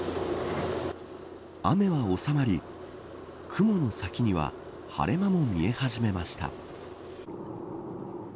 雨は収まり雲の先には晴れ間も見え始めました。